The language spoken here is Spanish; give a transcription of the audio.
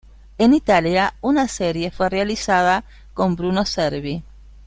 En Italia, una serie fue realizada con Bruno Cervi.